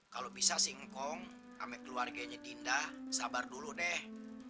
kalau bisa sih kong sama keluarganya dinda sabar dulu deh